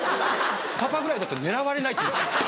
「パパぐらいだと狙われない」って言うんです。